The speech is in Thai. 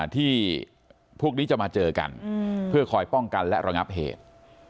ที่พวกนี้จะมาเจอกันเพื่อคอยป้องกันและระงับเหตุ